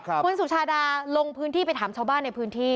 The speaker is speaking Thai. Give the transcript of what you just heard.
คุณสุชาดาลงพื้นที่ไปถามชาวบ้านในพื้นที่